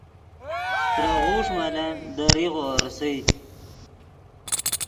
ترے غوݰ ملن دے ریغو ریسئے